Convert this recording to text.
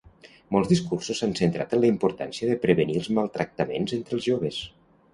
Molts discursos s'han centrat en la importància de prevenir els maltractaments entre els joves.